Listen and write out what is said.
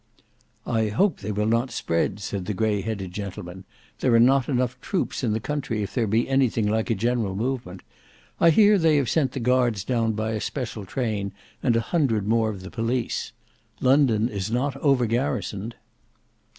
"I hope they will not spread," said the grey headed gentleman. "There are not troops enough in the country if there be anything like a general movement. I hear they have sent the guards down by a special train, and a hundred more of the police. London is not over garrisoned."